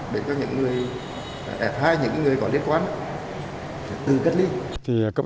để cho những người f hai những người có liên quan tự cất ly